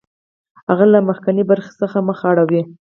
هغه له مخکینۍ برخې څخه مخ اړوي